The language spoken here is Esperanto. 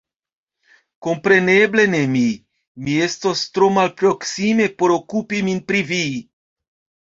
Kompreneble ne mi ; mi estos tro malproksime por okupi min pri vi.